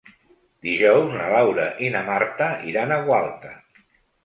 Dijous na Laura i na Marta iran a Gualta.